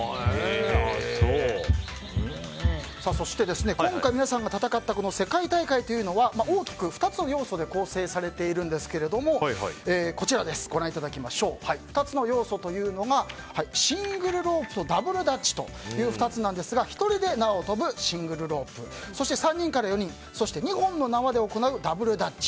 そして、今回皆さんが戦った世界大会というのは大きく２つの要素で構成されているんですけれども２つの要素というのがシングルロープとダブルダッチという２つなんですが１人で縄を跳ぶシングルロープそして、３人から４人そして２本の縄で行うダブルダッチ。